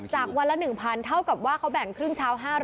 วันละ๑๐๐เท่ากับว่าเขาแบ่งครึ่งเช้า๕๐๐